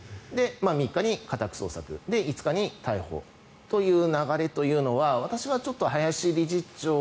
３日に家宅捜索５日に逮捕という流れというのは私はちょっと林理事長が。